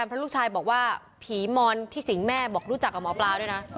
เพราะลูกชายบอกว่าผีมอนที่สิงแม่บอกรู้จักกับหมอปลาด้วยนะ